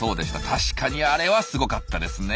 確かにあれはすごかったですね。